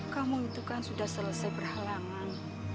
kamu itu kan sudah selesai berhalangan